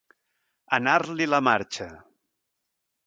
Anar-li la marxa.